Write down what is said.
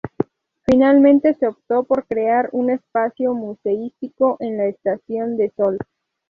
Finalmente se optó por crear un espacio museístico en la Estación de Sol.